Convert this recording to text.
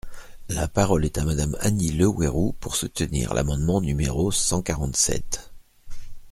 La parole est à Madame Annie Le Houerou pour soutenir l’amendement numéro cent quarante-sept.